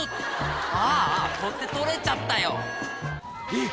ああ取っ手取れちゃったよえっ